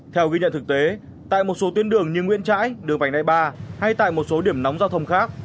theo ghi nhận thực tế tại một số tuyến đường như nguyễn trãi đường vành đai ba hay tại một số điểm nóng giao thông khác